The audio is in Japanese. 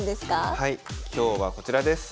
はい今日はこちらです。